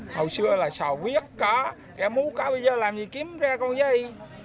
hầu xưa là sò huyết có kẻ mú cá bây giờ làm gì kiếm ra con dây